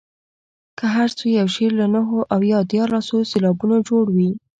که هر څو یو شعر له نهو او دیارلسو سېلابونو جوړ وي.